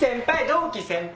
同期先輩！